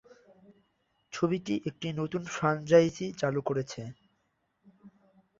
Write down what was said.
ছবিটি একটি নতুন ফ্র্যাঞ্চাইজি চালু করেছে।